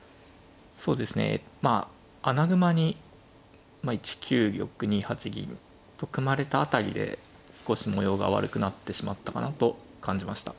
そうですねまあ穴熊に１九玉２八銀と組まれた辺りで少し模様が悪くなってしまったかなと感じました。